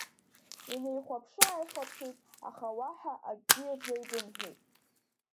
Инеихәаԥшы-ааихәаԥшит, аха уаҳа акгьы рзеибымҳәеит.